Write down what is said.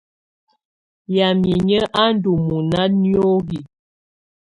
Yamɛ̀á inyǝ́ á ndù mɔna niohi.